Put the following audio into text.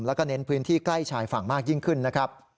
แล้วก็เน้นพื้นที่ใกล้ชายฝั่งมากยิ่งขึ้นนะครับ